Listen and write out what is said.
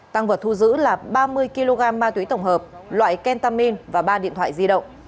tăng vật thu giữ là ba mươi kg ma túy tổng hợp loại kentamin và ba điện thoại di động